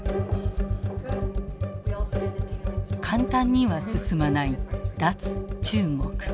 簡単には進まない脱中国。